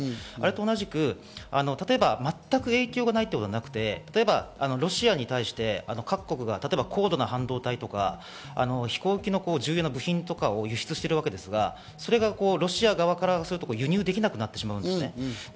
あれと同じく全く影響がないということがなくて、ロシアに対して各国が高度な半導体とか飛行機の重要な部品とかを輸出しているわけですが、それがロシア側から輸入できなくなってしまうんですね。